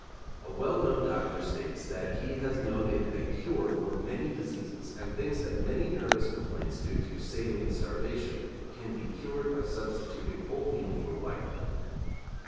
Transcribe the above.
A well known doctor states that he has known it a cure for many diseases, and thinks that many nervous complaints due to 'saline starvation' can be cured by substituting whole meal for white bread.